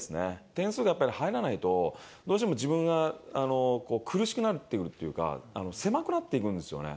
点数がやっぱり入らないと、どうしても自分が苦しくなってくるっていうか、狭くなっていくんですよね。